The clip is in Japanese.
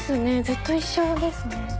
ずっと一緒ですね。